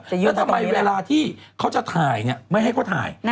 แล้วทำไมเวลาที่เขาจะถ่ายเนี่ยไม่ให้เขาถ่าย